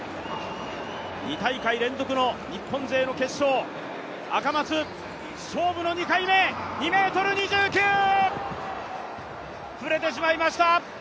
２大会連続の日本勢の決勝、赤松、勝負の２回目、２ｍ２９、触れてしまいました。